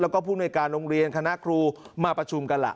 และก็ภูมิวัยการโรงเรียนคณะครูมาประชุมกันอา